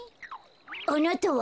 あなたは？